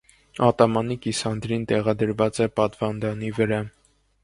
Ատամանի կիսանդրին տեղադրված է պատվանդանի վրա։